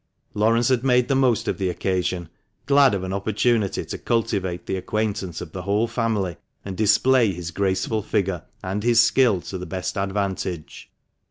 Laurence had made the most of the occasion, glad of an opportunity to cultivate the acquaintance of the whole family, and display his graceful figure, and his skill to the best advantage.